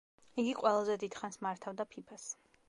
იგი ყველაზე დიდხანს მართავდა ფიფას.